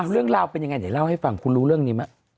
เรื่องราวเป็นยังไงไหนเล่าให้ฟังคุณรู้เรื่องนี้ไหม